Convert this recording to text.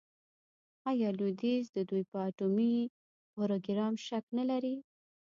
آیا لویدیځ د دوی په اټومي پروګرام شک نلري؟